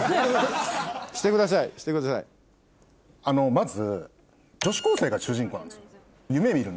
まず。